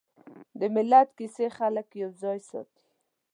د ملت کیسې خلک یوځای ساتي.